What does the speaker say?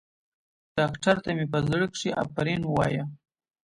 ډاکتر ته مې په زړه کښې افرين ووايه.